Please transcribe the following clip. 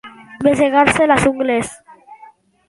Mossegar-se les ungles.